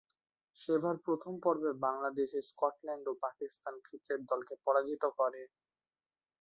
সেবার প্রথম পর্বে বাংলাদেশ স্কটল্যান্ড ও পাকিস্তান ক্রিকেট দলকে পরাজিত করে।